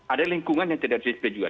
ada lingkungan yang tidak disiply juga